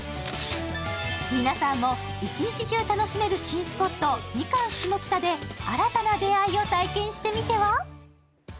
皆さんも一日中楽しめる新スポット、ミカン下北で新たな出会いを体験してみては。